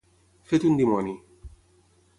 Fet un dimoni.